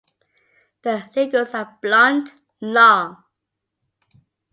The ligules are blunt, long.